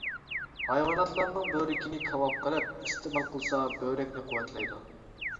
ھايۋاناتلارنىڭ بۆرىكىنى كاۋاپ قىلىپ، ئىستېمال قىلسا بۆرەكنى قۇۋۋەتلەيدۇ.